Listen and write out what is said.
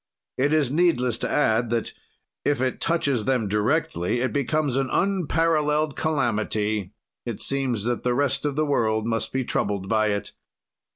It is needless to add that, if it touches them directly, it becomes an unparalleled calamity; it seems that the rest of the world must be troubled by it.